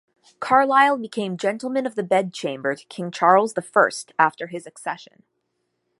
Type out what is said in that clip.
Carlisle became gentleman of the bedchamber to King Charles the First after his accession.